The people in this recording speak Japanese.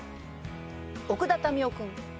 奥田民生君。